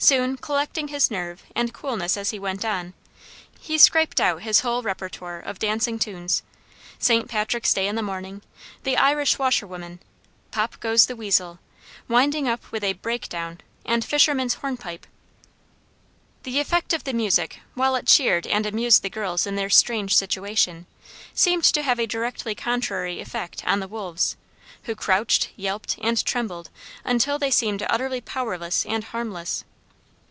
Soon collecting his nerve and coolness as he went on, he scraped out his whole répertoire of dancing tunes, "St. Patrick's day in the morning," "The Irish Washerwoman," "Pop goes the Weasel," winding up with a "Breakdown and Fishers' Hornpipe." The effect of the music, while it cheered and amused the girls in their strange situation, seemed to have a directly contrary effect on the wolves, who crouched, yelped, and trembled until they seemed utterly powerless and harmless.